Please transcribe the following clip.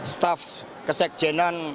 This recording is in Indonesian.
staf kesekjenan ditangkap